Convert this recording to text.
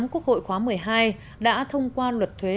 quốc hội khóa một mươi hai đã thông qua luật thuế